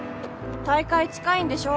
大会近いんでしょ？